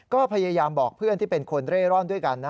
ก็พยายามบอกเพื่อนที่เป็นคนเร่ร่อนด้วยกันนะ